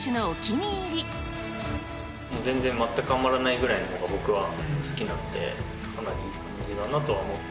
全然全く余らないぐらいのほうが僕は好きなので、かなりいい感じだなとは思って。